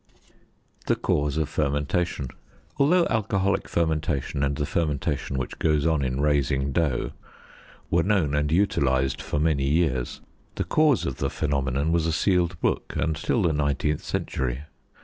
215. The Cause of Fermentation. Although alcoholic fermentation, and the fermentation which goes on in raising dough, were known and utilized for many years, the cause of the phenomenon was a sealed book until the nineteenth century.